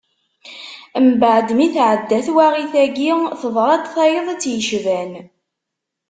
Mbeɛd mi teɛedda twaɣit-agi, teḍra-d tayeḍ i tt-yecban.